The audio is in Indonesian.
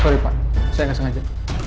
sorry pak saya nggak sengaja